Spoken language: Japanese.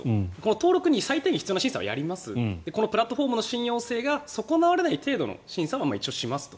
登録に最低限必要な審査はやりますプラットフォームの信用性が損なわれない程度の審査は一応しますと。